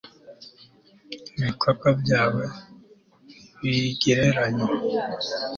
ibikorwa byawe ntibigereranywa